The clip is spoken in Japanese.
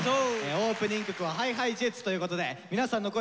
オープニング曲はＨｉＨｉＪｅｔｓということで皆さんの声がね